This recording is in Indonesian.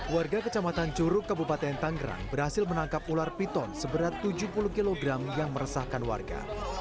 warga kecamatan curug kabupaten tanggerang berhasil menangkap ular piton seberat tujuh puluh kg yang meresahkan warga